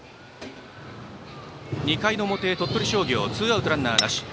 ２回の表、鳥取商業ツーアウト、ランナーなし。